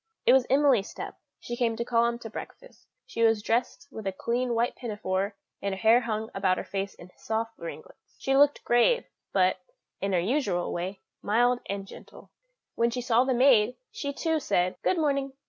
It was Emily's step; she came to call him to breakfast; she was dressed with a clean white pinafore, and her hair hung about her face in soft ringlets; she looked grave, but, in her usual way, mild and gentle. When she saw the maid, she, too, said, "Good morning."